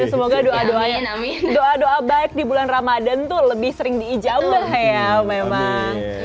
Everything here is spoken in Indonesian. semoga doa doa baik di bulan ramadan itu lebih sering diijamber ya memang